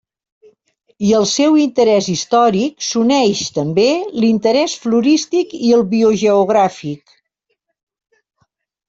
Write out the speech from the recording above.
I al seu interès històric, s'uneix, també, l'interès florístic i el biogeogràfic.